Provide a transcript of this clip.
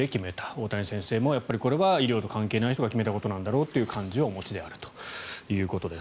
大谷先生も医療に関係ない人が決めたことなんだろうという感じをお持ちであるということです。